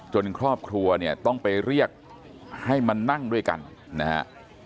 ครอบครัวเนี่ยต้องไปเรียกให้มานั่งด้วยกันนะฮะ